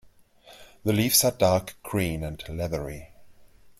The leaves are dark green and leathery.